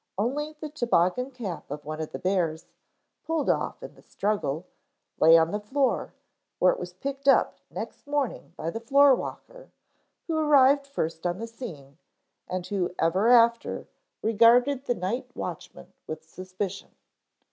Only the toboggan cap of one of the bears, pulled off in the struggle, lay on the floor, where it was picked up next morning by the floorwalker, who arrived first on the scene, and who ever after regarded the night watchman with suspicion.